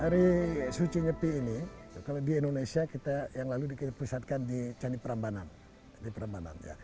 hari suci nyepi ini kalau di indonesia yang lalu kita perusahaan di candi prambanan